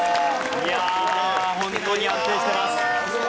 いや本当に安定しています。